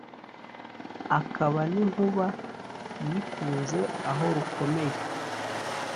akaba n' inkuba yikunze aho rukomeye